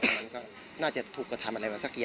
มันไม่ใช่แหละมันไม่ใช่แหละ